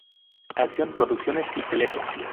Acción Producciones y Telefe.